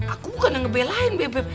aku bukan yang ngebelain beb beb